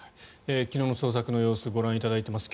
昨日の捜索の様子をご覧いただいています。